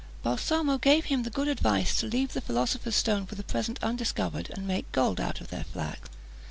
Balsamo gave him the good advice to leave the philosopher's stone for the present undiscovered, and make gold out of their flax.